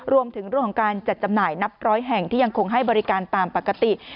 รวมถึงเรื่องของการจัดจำหน่ายนับร้อยแห่งที่ยังคงให้บริการตามปกติ